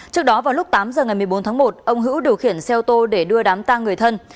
trước đó vào lúc tám giờ ngày một mươi bốn tháng một ông hữu điều khiển xe ô tô để đưa đám tang người thân